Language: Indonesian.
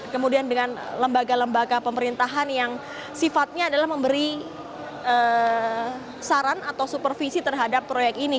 kemudian dengan lembaga lembaga pemerintahan yang sifatnya adalah memberi saran atau supervisi terhadap proyek ini